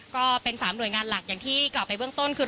ก็เป็น๓หน่วยงานหลักอย่างที่กล่าวไปเบื้องต้นคือ